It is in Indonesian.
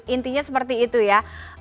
intinya seperti itu ya